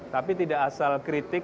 tapi tidak asal kritik